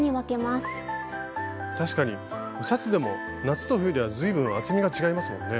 確かにシャツでも夏と冬では随分厚みが違いますもんね。